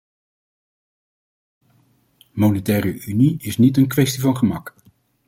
Monetaire unie is niet een kwestie van gemak.